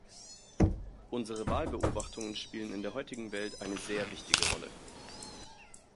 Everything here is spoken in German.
Unsere Wahlbeobachtungen spielen in der heutigen Welt eine sehr wichtige Rolle.